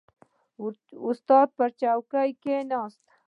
• استاد پر څوکۍ کښېناست.